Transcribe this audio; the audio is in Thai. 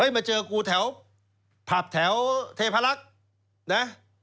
มาเจอกูแถวผับแถวเทพลักษณ์นะ